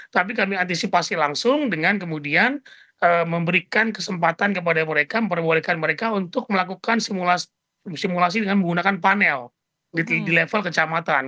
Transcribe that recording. tapi kami antisipasi langsung dengan kemudian memberikan kesempatan kepada mereka memperbolehkan mereka untuk melakukan simulasi dengan menggunakan panel di level kecamatan